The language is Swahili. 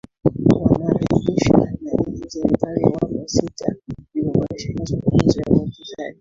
Wanaridhishwa na jinsi Serikali ya Awamu ya Sita ilivyoboresha mazungumzo ya uwekezaji